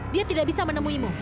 dia tidak bisa menemuimu